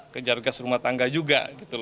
ke jar gas rumah tangga juga